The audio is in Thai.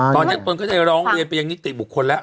ตอนนี้ตนก็ได้ร้องเรียนไปยังนิติบุคคลแล้ว